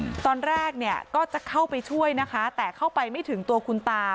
ตอนแรกเนี้ยก็จะเข้าไปช่วยนะคะแต่เข้าไปไม่ถึงตัวคุณตา